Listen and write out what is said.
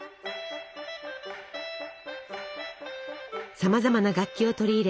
さまざまな楽器を取り入れ